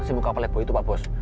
si muka pelebo itu pak bos